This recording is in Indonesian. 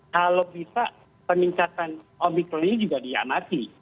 kalau bisa peningkatan omikron ini juga diamati